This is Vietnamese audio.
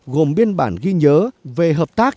gồm biên bản ghi nhớ về hợp tác